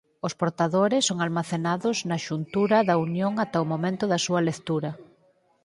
Os portadores son almacenados na xuntura da unión ata o momento da súa lectura.